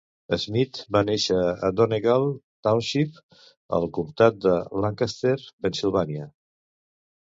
Smith va néixer a Donegal Township, al comtat de Lancaster, Pennsilvània.